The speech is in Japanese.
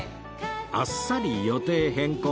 あっさり予定変更